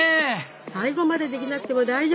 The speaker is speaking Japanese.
最後までできなくても大丈夫。